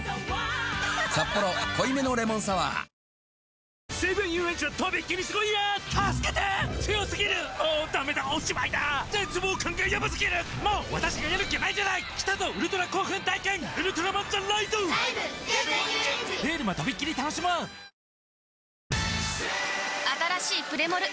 「サッポロ濃いめのレモンサワー」あたらしいプレモル！